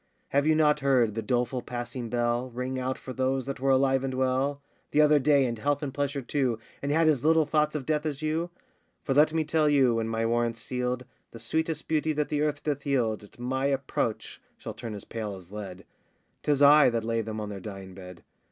Have you not heard the doleful passing bell Ring out for those that were alive and well The other day, in health and pleasure too, And had as little thoughts of death as you? For let me tell you, when my warrant's sealed, The sweetest beauty that the earth doth yield At my approach shall turn as pale as lead; 'Tis I that lay them on their dying bed.